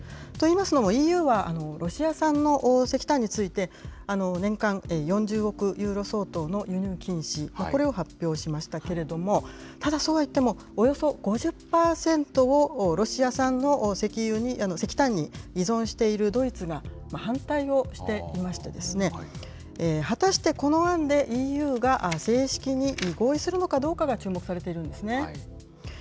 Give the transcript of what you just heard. といいますのもＥＵは、ロシア産の石炭について、年間４０億ユーロ相当の輸入禁止、これを発表しましたけれども、ただ、そうはいっても、およそ５０％を、ロシア産の石炭に依存しているドイツが反対をしていまして、果たしてこの案でＥＵが正式に合意するのかどうかが注目されているんですね。